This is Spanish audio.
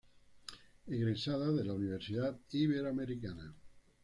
Egresada de la Universidad Iberoamericana.